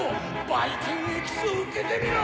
バイキンエキスをうけてみろ！